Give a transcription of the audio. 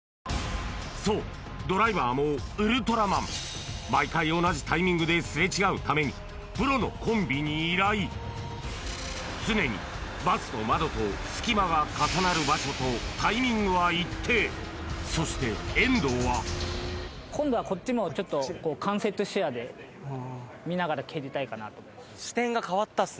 そうドライバーもウルトラマン毎回同じタイミングですれ違うためにプロのコンビに依頼常にバスの窓と隙間が重なる場所とタイミングは一定そして遠藤は蹴りたいかなと。